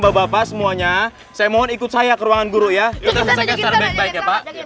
bapak bapak semuanya saya mohon ikut saya ke ruangan guru ya kita selesaikan secara baik baik ya pak